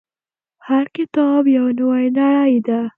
• هر کتاب یو نوی نړۍ ده.